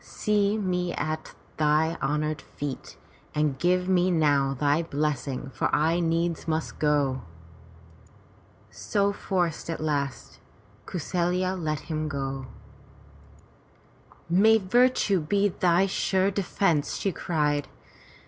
See me at thy honored feet and give me now thy blessing, for I needs must go." So forced at last, Kau saFya let him go. "May virtue be thy sure defence!" she cried.